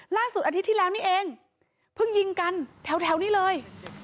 อาทิตย์ที่แล้วนี่เองเพิ่งยิงกันแถวนี้เลย